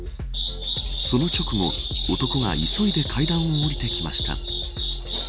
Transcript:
その直後、男が急いで階段を下りていきました。